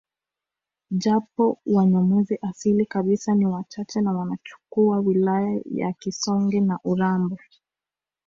Japo wanyamwezi asili kabisa ni wachache na wanachukua wilaya ya Sikonge na urambo